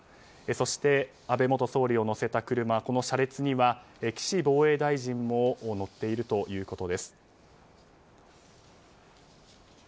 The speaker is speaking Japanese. そして、安倍元総理を乗せた車この車列には岸防衛大臣も乗っているということです。